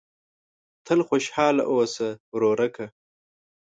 تل خوشاله اوسه ورورکه !